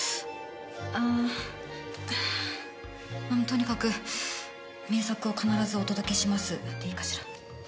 とにかく「名作を必ずお届けします」でいいかしら。